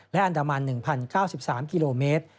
และอันดามัน๑๐๙๓กิโลเมตร